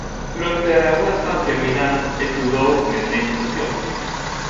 Durante unha estancia en Milán estudou nesa institución.